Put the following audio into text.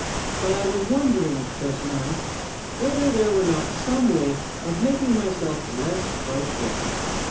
But I was wondering, just now, whether there were not some way of making myself less frightful.